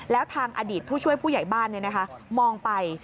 แล้วทางอดีตผู้ช่วยผู้ใหญ่บ้านมองไป